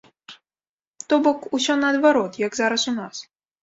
То бок, усё наадварот, як зараз у нас.